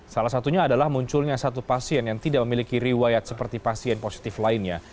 salah satunya adalah munculnya satu pasien yang tidak memiliki riwayat seperti pasien positif lainnya